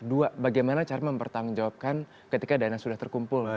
dua bagaimana cara mempertanggungjawabkan ketika dana sudah terkumpul